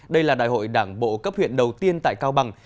đây là đại hội đảng bộ cấp huyện đầu tiên tại cao bằng